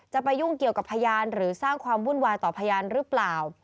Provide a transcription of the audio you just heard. ไปยุ่งเกี่ยวกับพยานหรือสร้างความวุ่นวายต่อพยานหรือเปล่า